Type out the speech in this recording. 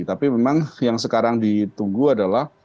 tapi memang yang sekarang ditunggu adalah